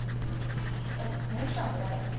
えっ美紀ちゃんって誰？